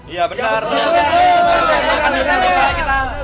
iya benar pak